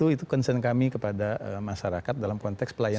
itu concern kami kepada masyarakat dalam konteks pelayanan